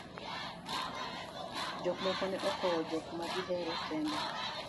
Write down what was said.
jok moko ne okowo jok ma gihero kende